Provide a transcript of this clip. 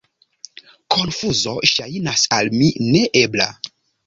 Konfuzo ŝajnas al mi ne ebla.